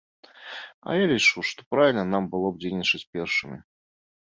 А я лічу, што правільна нам было б дзейнічаць першымі.